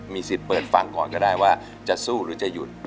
สิทธิ์เปิดฟังก่อนก็ได้ว่าจะสู้หรือจะหยุด